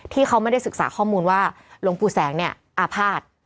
ที่เขาไม่ได้ศึกษาข้อมูลว่าหลวงปู่แสงเนี่ยอาภาษณ์